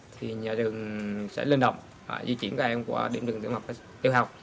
thì nhà trường sẽ lên đồng và di chuyển các em qua điểm trường trung học tiểu học